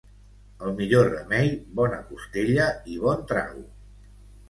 El millor remei, bona costella i bon trago.